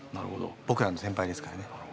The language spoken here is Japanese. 僕らの先輩ですからね。